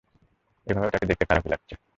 এভাবে ওটাকে দেখতে খারাপই লাগছে!